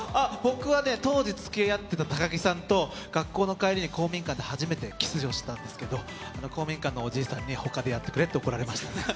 僕は当時、付き合ってた、たかぎさんと学校の帰りに公民館で初めてキスをしたんですけど公民館のおじいさんに他でやってくれって怒られました。